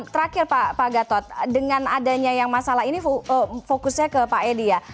terakhir pak gatot dengan adanya yang masalah ini fokusnya ke pak edi ya